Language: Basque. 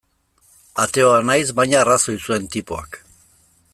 Ateoa naiz, baina arrazoi zuen tipoak.